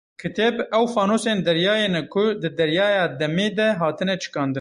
Kitêb, ew fanosên deryayê ne ku di deryaya demê de hatine çikandin.